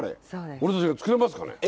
俺たちが作れますかね。